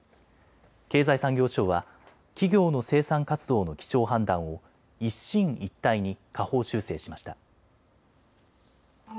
経済産業省は企業の生産活動の基調判断を一進一退に下方修正しました。